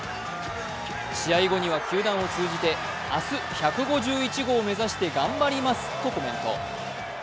試合後には球団を通じて、明日１５１号目指して頑張りますとコメント。